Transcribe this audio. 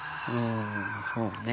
そうね。